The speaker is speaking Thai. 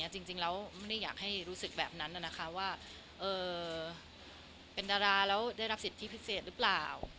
จริงแล้วไม่ได้อยากให้รู้สึกแบบนั้นว่าเป็นดาราแล้วได้รับสิทธิพิเศษหรือเปล่า